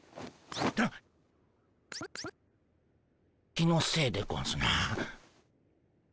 気のせいでゴンスな。